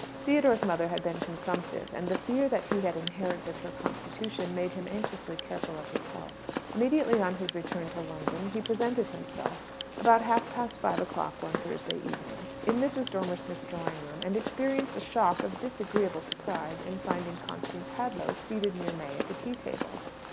Theodore's mother had been consumptive; and the fear that he inherited her constitution made him anxiously careful of his health. Immediately on his return to London he presented himself, about half past five o'clock one Thursday afternoon, in Mrs. Dormer Smith's drawing room, and experienced a shock of disagreeable surprise on finding Constance Hadlow seated near May at the tea table.